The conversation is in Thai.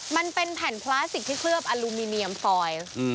มันเป็นแผ่นพลาสติกที่เคลือบอลูมิเนียมฟอย